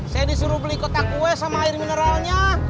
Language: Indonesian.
saya disuruh beli kotak kue sama air mineralnya